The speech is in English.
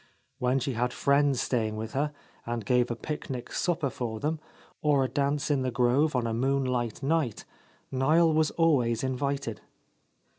When she had friends staying with her, and gave a picnic supper for them, or a dance in the grove on a moonlight night, Niel was al ways invited.